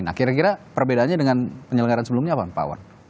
nah kira kira perbedaannya dengan penyelenggaran sebelumnya apa pak war